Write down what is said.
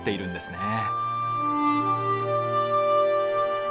ねえ。